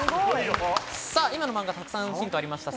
今の漫画、たくさんヒントありました。